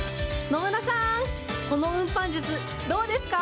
野村さん、この運搬術、どうですか。